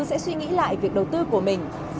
sẽ suy nghĩ lại việc đầu tư của mình